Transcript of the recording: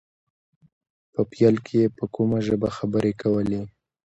په پيل کې يې په کومه ژبه خبرې کولې.